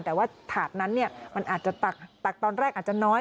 แต่ว่าถาดนั้นมันอาจจะตักตอนแรกอาจจะน้อย